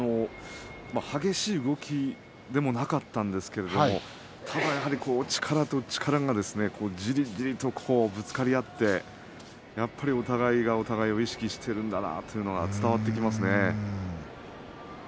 激しい動きでもなかったんですけどもただ力と力がじりじりとぶつかり合ってやっぱりお互いがお互いを意識しているんだなというのは伝わってきましたね。